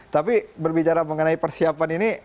tapi berbicara mengenai persiapan ini